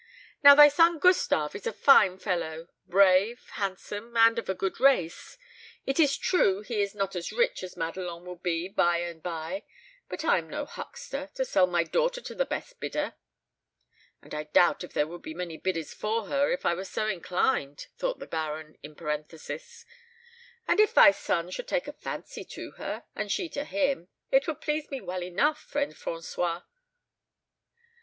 "Now thy son Gustave is a fine fellow brave, handsome, and of a good race. It is true he is not as rich as Madelon will be by and by; but I am no huckster, to sell my daughter to the best bidder" ("and I doubt if there would be many bidders for her, if I were so inclined," thought the Baron, in parenthesis); "and if thy son should take a fancy to her, and she to him, it would please me well enough, friend François."